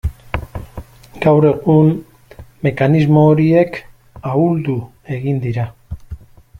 Gaur egun mekanismo horiek ahuldu egin dira.